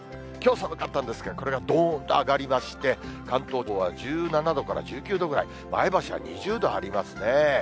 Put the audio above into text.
きょう寒かったんですけれども、これがどーんと上がりまして、関東地方は１７度から１９度ぐらい、前橋は２０度ありますね。